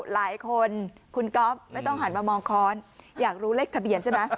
หลายคนคุณก๊อฟไม่ต้องหันมามองค้อนอยากรู้เลขทะเบียนใช่ไหม